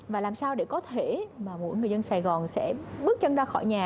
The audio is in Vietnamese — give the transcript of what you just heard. và làm sao để có thể mà mỗi người dân sài gòn sẽ bước chân ra khỏi nhà